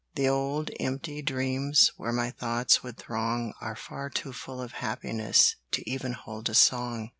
The old empty dreams Where my thoughts would throng Are far too full of happiness To even hold a song.